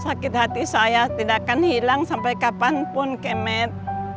sakit hati saya tidak akan hilang sampai kapanpun kemet